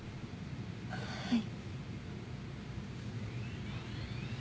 はい。